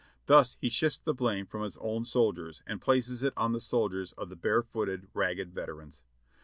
Thus he shifts the blame from his own shoulders and places it on the shoulders of the barefooted, ragged veterans.